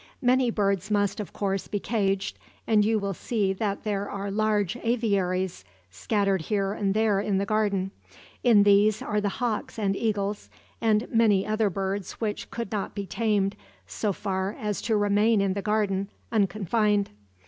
"Many birds must, of course, be caged, and you will see that there are large aviaries scattered here and there in the garden. In these are the hawks and eagles, and many other birds which could not be tamed so far as to remain in the garden, unconfined."